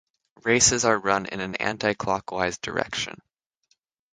Races are run in an anti-clockwise direction.